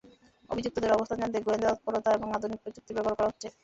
অভিযুক্তদের অবস্থান জানতে গোয়েন্দা তৎপরতা এবং আধুনিক প্রযুক্তির ব্যবহার করা হচ্ছে।